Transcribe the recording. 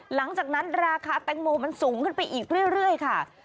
หลังจากนั้นราคาแตงโมมันสูงขึ้นไปอีกเรื่อยค่ะ